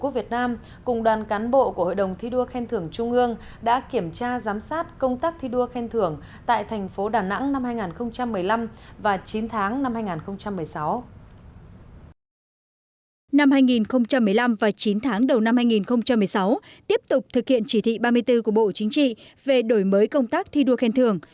về đổi mới công tác thi đua khen thưởng